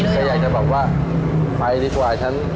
ก็อยากจะบอกว่าไปดีกว่าฉัน